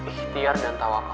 ikhtiar dan tawa kau